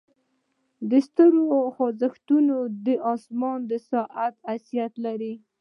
د ستورو خوځښت د اسمان د ساعت حیثیت لري.